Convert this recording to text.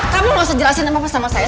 kamu gak usah jelasin apa sama saya